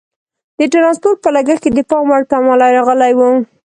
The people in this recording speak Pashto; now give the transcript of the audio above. د ټرانسپورټ په لګښت کې د پام وړ کموالی راغلی وو.